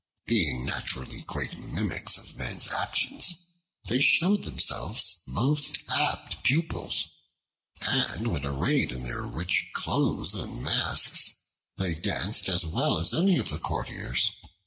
Being naturally great mimics of men's actions, they showed themselves most apt pupils, and when arrayed in their rich clothes and masks, they danced as well as any of the courtiers.